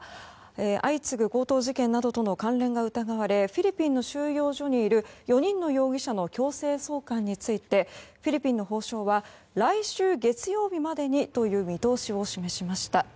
相次ぐ強盗事件などとの関連が疑われフィリピンの収容所にいる４人の容疑者の強制送還についてフィリピンの法相は来週、月曜日までにという見通しを示しました。